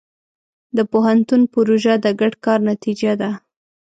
د پوهنتون پروژه د ګډ کار نتیجه ده.